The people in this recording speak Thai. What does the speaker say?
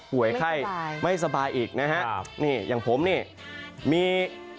ไข้ไม่สบายอีกนะฮะครับนี่อย่างผมนี่มี